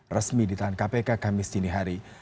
resmi ditahan kpk kamis dini hari